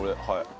はい。